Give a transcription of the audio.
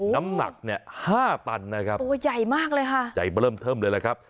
น้ำหนักเนี่ยห้าตันนะครับตัวใหญ่มากเลยค่ะใจมาเริ่มเทิมเลยแหละครับ